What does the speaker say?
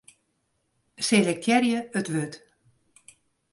Selektearje it wurd.